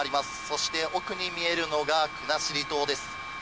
そして、奥に見えるのが国後島です。